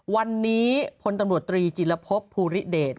วันนี้พลตำรวจตรีจิลภพภูริเดช